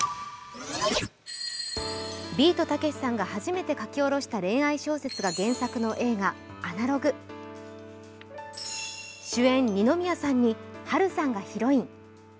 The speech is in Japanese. ビートたけしさんが初めて書き下ろした小説が原作の映画「アナログ」主演・二宮さんに波瑠さんがヒロイン。